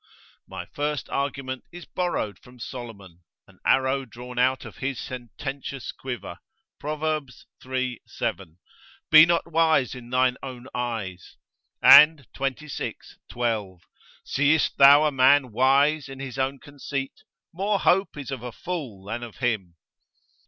My first argument is borrowed from Solomon, an arrow drawn out of his sententious quiver, Pro. iii. 7, Be not wise in thine own eyes. And xxvi. 12, Seest thou a man wise in his own conceit? more hope is of a fool than of him.